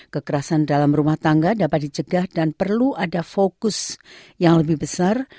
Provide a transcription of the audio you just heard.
kekerasan dalam rumah tangga dapat dicegah dan perlu ada fokus yang lebih besar